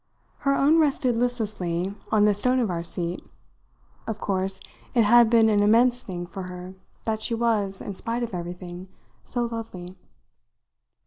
Her own rested listlessly on the stone of our seat. Of course, it had been an immense thing for her that she was, in spite of everything, so lovely.